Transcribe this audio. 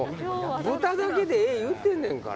豚だけでええ言うてんねんから。